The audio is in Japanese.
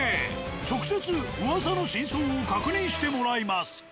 直接うわさの真相を確認してもらいます。